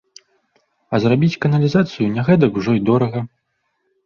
А зрабіць каналізацыю не гэтак ужо і дорага.